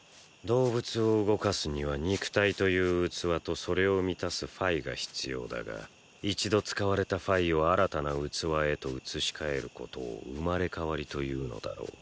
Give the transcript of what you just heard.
動物を動かすには肉体という器とそれを満たすファイが必要だが一度使われたファイを新たな器へと移し替えることを生まれ変わりと言うのだろう。